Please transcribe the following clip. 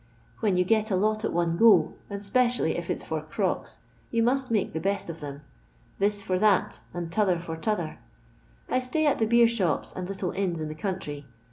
When you get a lot at one go, and 'specially if it 's for crocks, you must make the best of tbem. This for that, and t'other for t'other. I stay at the beer shops and little inns in the country.